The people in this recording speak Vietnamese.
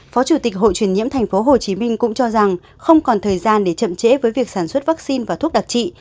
phó chủ tịch hội truyền nhiễm tp hcm cũng cho rằng không còn thời gian để chậm trễ với việc sản xuất vaccine và thuốc đặc trị